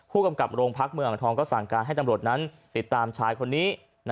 ผู้กำกับโรงพักเมืองอ่างทองก็สั่งการให้ตำรวจนั้นติดตามชายคนนี้